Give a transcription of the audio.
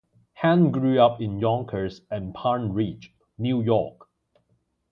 Hand grew up in Yonkers and Pound Ridge, New York.